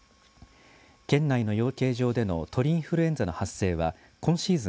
県内の養鶏場での鳥インフルエンザの発生は今シーズン